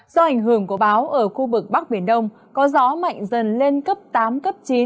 do ảnh hưởng của báo ở khu vực bắc biển đông có gió mạnh dần lên cấp tám cấp chín